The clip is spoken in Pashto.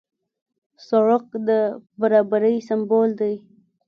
سړک د برابرۍ سمبول دی.